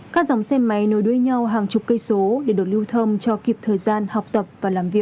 các dòng xe máy nối đuôi nhau hàng chục cây số để được lưu thông cho kịp thời gian học tập và làm việc